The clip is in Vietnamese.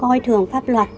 coi thường pháp luật